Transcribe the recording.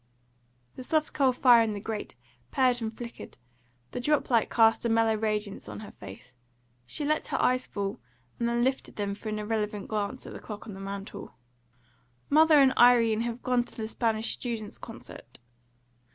The soft coal fire in the grate purred and flickered; the drop light cast a mellow radiance on her face. She let her eyes fall, and then lifted them for an irrelevant glance at the clock on the mantel. "Mother and Irene have gone to the Spanish Students' concert."